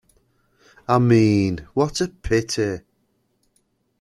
I mean, what a pity!